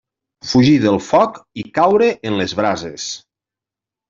Fugir del foc i caure en les brases.